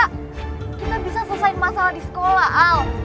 kita bisa selesaiin masalah di sekolah al